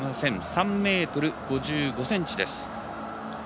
３ｍ５５ｃｍです。